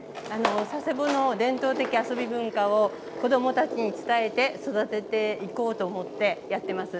佐世保の伝統的遊び文化を子どもたちに伝えて育てていこうと思ってやってます。